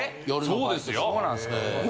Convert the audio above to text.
そうですよ。